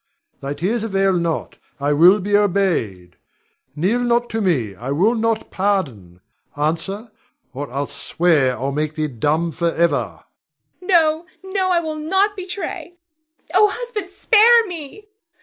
Thy tears avail not; I will be obeyed. Kneel not to me, I will not pardon. Answer, or I swear I'll make thee dumb forever. Theresa. No, no! I will not betray. Oh, husband, spare me!